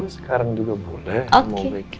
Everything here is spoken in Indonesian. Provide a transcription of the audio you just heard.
sekarang juga boleh